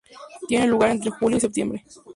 Tiene lugar entre julio y septiembre.